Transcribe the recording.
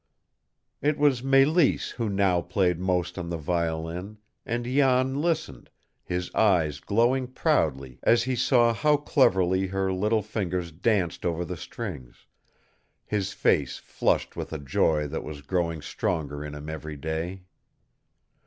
It was Mélisse who now played most on the violin, and Jan listened, his eyes glowing proudly as he saw how cleverly her little fingers danced over the strings, his face flushed with a joy that was growing stronger in him every day.